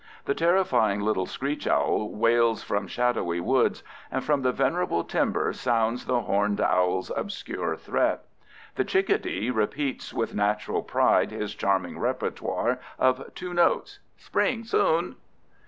The terrifying little screech owl wails from shadowy woods, and from the venerable timber sounds the horned owl's obscure threat. The chickadee repeats with natural pride his charming repertoire of two notes—"Spring soon!"